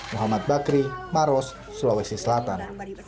muhammad bakri maros sulawesi selatan